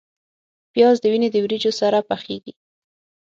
پیاز د وینې د وریجو سره پخیږي